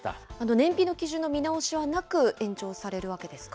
燃費の基準の見直しはなく、延長されるわけですか。